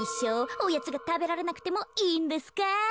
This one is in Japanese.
おやつがたべられなくてもいいんですか？